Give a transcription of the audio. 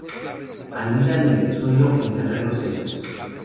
Anidan en el suelo en terrenos secos.